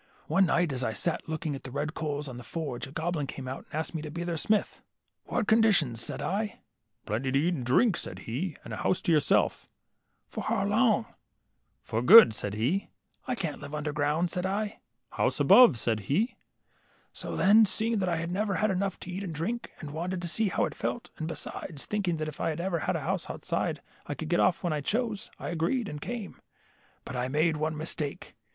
One night, as I sat looking at the red coals on the forge, a goblin came out and asked me to be their smith. ^ What conditions ?' said I. ^ Plenty to eat and drink,' said h^, ^ and a house to yourself' ^ For how long ?'^ Por good,' said he. ^ I can't live under ground,' said I. ^ House above,' said he. 36 LITTLE HANS. So then, seeing that I had never had enough to eat and drink, and wanted to see how it felt, and besides, thinking that if I could have a house outside I could get off when I chose, I agreed and came. But I made one mistake.